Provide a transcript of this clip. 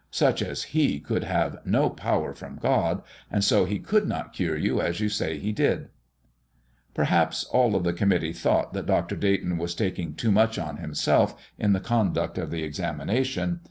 Such as He could have no power from God, and so He could not cure you as you say He did." Perhaps all of the committee thought that Dr. Dayton was taking too much on himself in the conduct of the examination.